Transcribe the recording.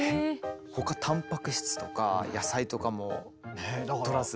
他たんぱく質とか野菜とかもとらず。